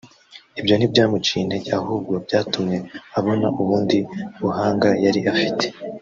Ibyo ntibyamuciye intege ahubwo byatumye abona ubundi buhanga yari afite